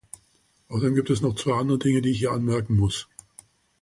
Außerdem gibt es noch zwei andere Dinge, die ich hier anmerken muss.